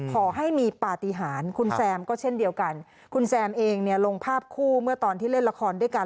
ขอให้มีปฏิหารคุณแซมก็เช่นเดียวกันคุณแซมเองเนี่ยลงภาพคู่เมื่อตอนที่เล่นละครด้วยกัน